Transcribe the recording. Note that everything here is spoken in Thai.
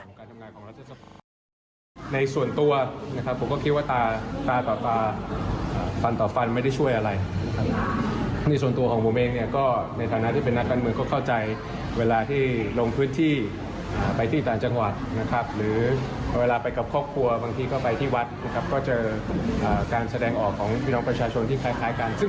อดทนอดกั้นแล้วก็รู้สึกไม่สบายใจกับการเข้าสู่อำนาจของระบบการเมืองไทยที่ผ่าน